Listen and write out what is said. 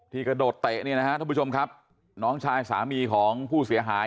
กระโดดเตะเนี่ยนะฮะท่านผู้ชมครับน้องชายสามีของผู้เสียหาย